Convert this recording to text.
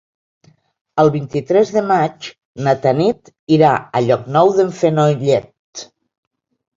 El vint-i-tres de maig na Tanit irà a Llocnou d'en Fenollet.